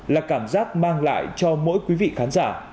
là cảm giác mang lại cho mỗi quý vị khán giả